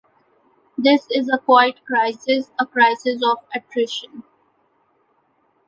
This is a quiet crisis, a crisis of attrition.